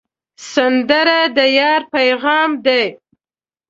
سندره د یار پیغام دی